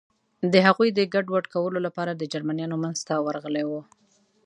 د هغوی د ګډوډ کولو لپاره د جرمنیانو منځ ته ورغلي و.